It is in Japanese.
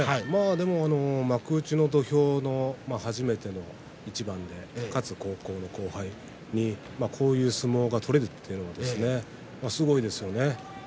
でも幕内の土俵の初めての一番で勝つ高校の後輩にこういう相撲が取れるというのはですね、すごいですね